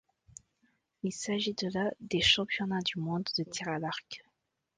Il s'agit de la des championnats du monde de tir à l'arc.